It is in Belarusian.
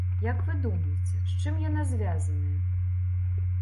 Як вы думаеце, з чым яна звязаная?